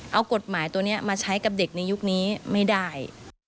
เอากฎหมายตัวนี้มาใช้กับเด็กในยุคนี้ไม่ได้